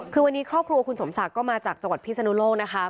คือวันนี้ครอบครัวคุณสมศักดิ์ก็มาจากจังหวัดพิศนุโลกนะคะ